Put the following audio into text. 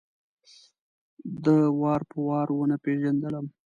ده وار په وار ونه پېژندلم.